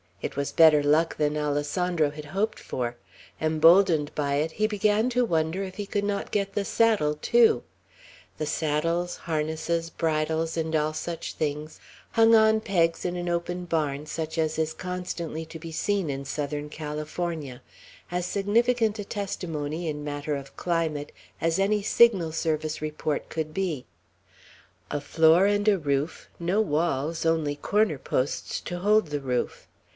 It was better luck than Alessandro had hoped for; emboldened by it, he began to wonder if he could not get the saddle too. The saddles, harnesses, bridles, and all such things hung on pegs in an open barn, such as is constantly to be seen in Southern California; as significant a testimony, in matter of climate, as any Signal Service Report could be, a floor and a roof; no walls, only corner posts to hold the roof.